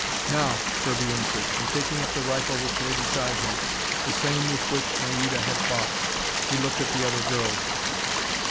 "Now!" Kirby answered, and, taking up the rifle which lay beside him the same with which Naida had fought he looked at the other girls.